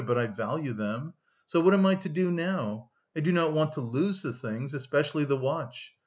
but I value them. So what am I to do now? I do not want to lose the things, especially the watch.